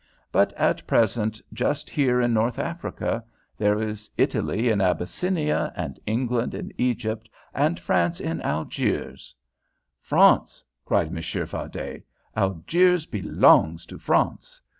But at present just here in North Africa there is Italy in Abyssinia, and England in Egypt, and France in Algiers " "France!" cried Monsieur Fardet. "Algiers belongs to France.